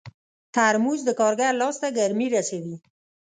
ترموز د کارګر لاس ته ګرمي رسوي.